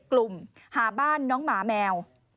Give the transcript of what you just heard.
กลุ่มหาบ้านน้องหมาแมว